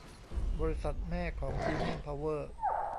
บริษัทแม่ของยูเนี่ยนเพาเวอร์